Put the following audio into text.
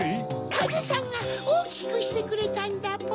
かぜさんがおおきくしてくれたんだポ。